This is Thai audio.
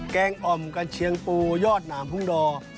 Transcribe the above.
แกงอ่อมกระเชียงปูยอดหนามหุ้งดอ